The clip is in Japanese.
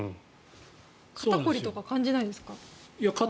肩凝りとか感じないんですか？